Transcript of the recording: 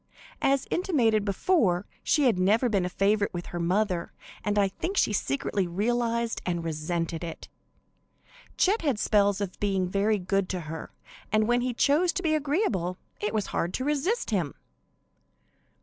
As intimated before, she had never been a favorite with her mother, and I think she secretly realized and resented it. Chet had spells of being very good to her, and when he chose to be agreeable it was hard to resist him.